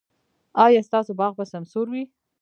ایا ستاسو باغ به سمسور وي؟